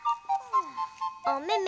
おめめ。